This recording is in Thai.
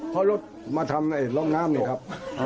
เพราะรถมาทำไหนรอกน้ำเนี้ยครับอ๋อ